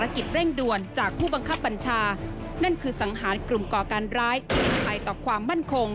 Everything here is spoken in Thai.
ขอบคุณครับ